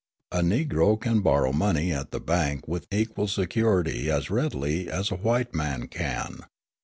A Negro can borrow money at the bank with equal security as readily as a white man can.